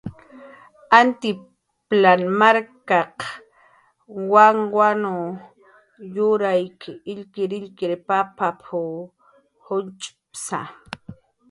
"Altiplan markaq wanwan yurayk illkirillkir papap""a, junch'psa"